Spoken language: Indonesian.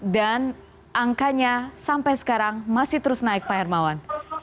dan angkanya sampai sekarang masih terus naik pak hermawan